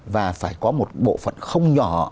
và phải có một bộ phận không nhỏ